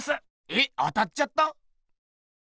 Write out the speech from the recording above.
えっ当たっちゃった？